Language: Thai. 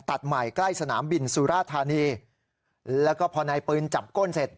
ตัดใหม่ใกล้สนามบินสุราธานีแล้วก็พอนายปืนจับก้นเสร็จ